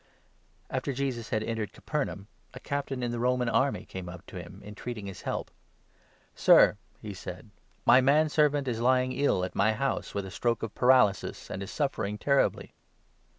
After Jesus had entered Capernaum, a Captain 5 an officer's in the Roman army came up to him, entreating Servant. nis help. "Sir," he said, "my manservant is lying ill at my house 6 with a stroke of paralysis, and is suffering terribly."